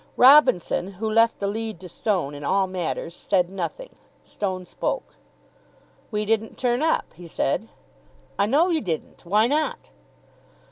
Robinson, who left the lead to Stone in all matters, said nothing. Stone spoke. "We didn't turn up," he said. "I know you didn't. Why not?"